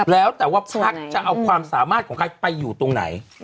แล้วแต่ว่าพักจะเอาความสามารถของใครไปอยู่ตรงไหน